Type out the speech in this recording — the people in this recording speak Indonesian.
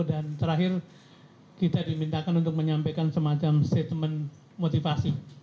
dan terakhir kita dimintakan untuk menyampaikan semacam statement motivasi